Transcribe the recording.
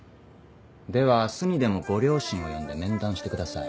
では明日にでもご両親を呼んで面談してください。